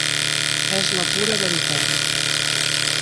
És la pura veritat.